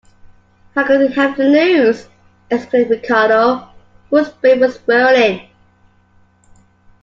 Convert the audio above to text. "How could he have the news?" exclaimed Ricardo, whose brain was whirling.